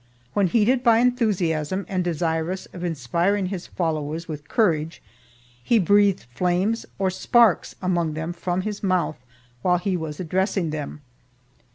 When heated by enthusiasm and desirous of inspiring his followers with courage, he breathed flames or sparks among them from his mouth while he was addressing them.